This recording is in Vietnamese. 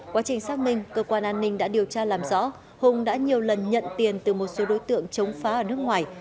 quá trình xác minh cơ quan an ninh đã điều tra làm rõ hùng đã nhiều lần nhận tiền từ một số đối tượng chống phá ở nước ngoài